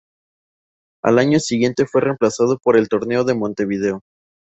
Al año siguiente fue reemplazado por el Torneo de Montevideo.